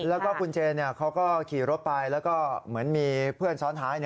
แล้วก็คุณเจนเขาก็ขี่รถไปแล้วก็เหมือนมีเพื่อนซ้อนท้าย